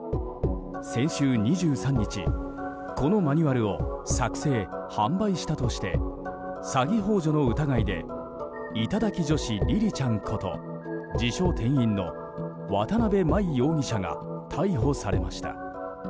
先週２３日、このマニュアルを作成・販売したとして詐欺幇助の疑いで頂き女子りりちゃんこと自称店員の渡辺真衣容疑者が逮捕されました。